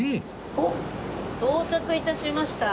おっ到着致しました！